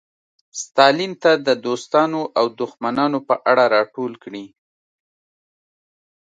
ستالین ته د دوستانو او دښمنانو په اړه راټول کړي.